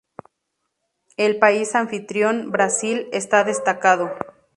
El país anfitrión, Brasil, está destacado.